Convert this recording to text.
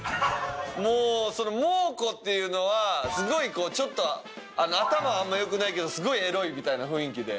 もうそのモー子っていうのはすごいこうちょっと頭はあんま良くないけどすごいエロいみたいな雰囲気で。